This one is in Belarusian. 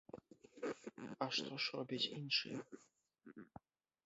А што ж робяць іншыя?